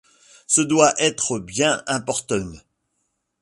Ce doit être bien importun!